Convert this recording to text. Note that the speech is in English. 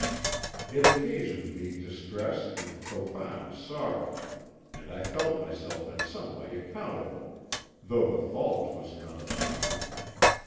"It occasioned me distress and profound sorrow, and I felt myself in some way accountable, though the fault was none of mine.